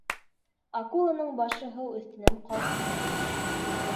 Акуланың башы һыу өҫтөнән ҡалҡып тора.